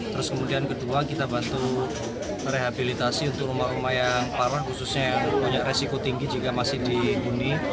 terus kemudian kedua kita bantu rehabilitasi untuk rumah rumah yang parah khususnya yang punya resiko tinggi jika masih dihuni